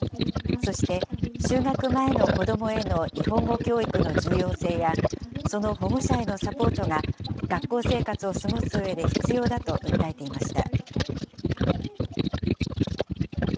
そして、就学前の子どもへの日本語教育の重要性や、その保護者へのサポートが、学校生活を過ごすうえで必要だと訴えていました。